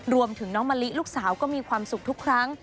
น้องมะลิลูกสาวก็มีความสุขทุกครั้ง